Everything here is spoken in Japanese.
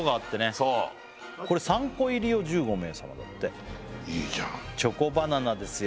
そうこれ３個入りを１５名様だっていいじゃんチョコバナナですよ